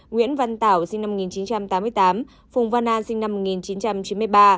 nguyễn văn tảo sinh năm một nghìn chín trăm tám mươi tám phùng văn a sinh năm một nghìn chín trăm chín mươi ba